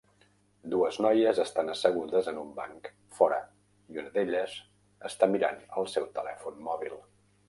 Dues noies estan assegudes en un banc fora, i una d'elles està mirant el seu telèfon mòbil.